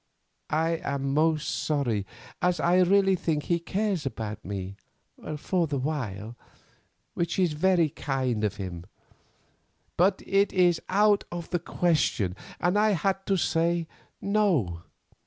I am most sorry, as I really think he cares about me—for the while—which is very kind of him. But it is out of the question, and I had to say no.